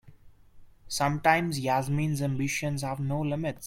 Sometimes Yasmin's ambitions have no limits.